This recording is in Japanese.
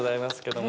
も